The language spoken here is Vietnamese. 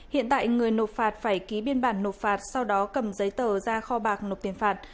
hiện tại người nộp phạt phải ký biên bản nộp phạt sau đó cầm giấy tờ ra kho bạc nộp tiền phạt